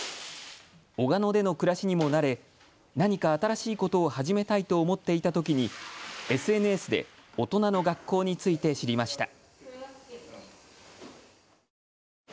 小鹿野での暮らしにも慣れ何か新しいことを始めたいと思っていたときにＳＮＳで大人の学校について知りました。